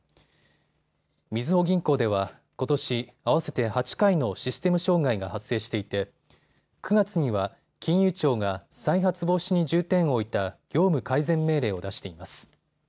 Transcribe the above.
みずほ銀行では、ことし、合わせて８回のシステム障害が発生していて９月には金融庁が再発防止に重点を置いた業務改善命令を出しています。